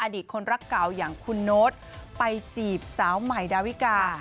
ตคนรักเก่าอย่างคุณโน๊ตไปจีบสาวใหม่ดาวิกา